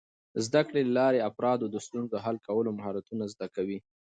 د زده کړې له لارې، افراد د ستونزو حل کولو مهارتونه زده کوي.